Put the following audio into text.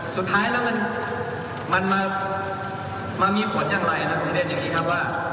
สุดท้ายแล้วมันมีผลอย่างไรนะผมเรียนอย่างนี้ครับว่า